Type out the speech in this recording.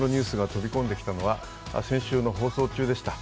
飛び込んできたのは先週の放送中でした。